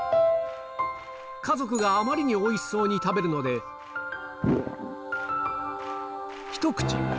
家族があまりにおいしそうに食べるので、一口。